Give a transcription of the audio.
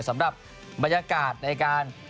สำหรับบรรยากาศในการ